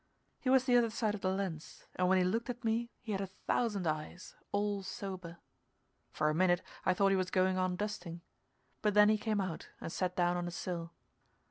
He was the other side of the lens, and when he looked at me he had a thousand eyes, all sober. For a minute I thought he was going on dusting, but then he came out and sat down on a sill.